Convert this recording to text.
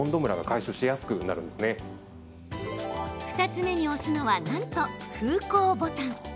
２つ目に押すのはなんと風向ボタン。